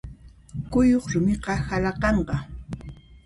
Kuyuq rumiqa halaqanqa.